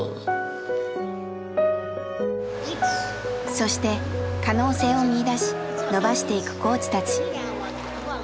そして可能性を見いだし伸ばしていくコーチたち。